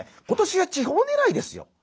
今年は地方ねらいですよ。